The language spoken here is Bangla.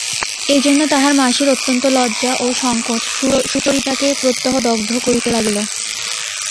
এজন্য তাহার মাসির অত্যন্ত লজ্জা ও সংকোচ সুচরিতাকে প্রত্যহ দগ্ধ করিতে লাগিল।